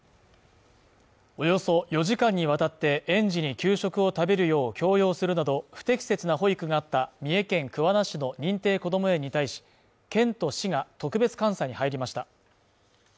およそ４時間にわたって園児に給食を食べるよう強要するなど、不適切な保育があった三重県桑名市の認定こども園に対し、県と市が特別監査に入りました。